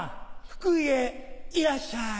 福井へいらっしゃい。